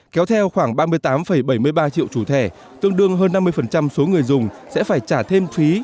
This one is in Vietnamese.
kéo theo khoảng ba mươi tám bảy mươi ba triệu chủ thẻ tương đương hơn năm mươi số người dùng sẽ phải trả thêm phí